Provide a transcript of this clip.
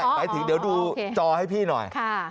หมายถึงเดี๋ยวดูจอให้พี่หน่อย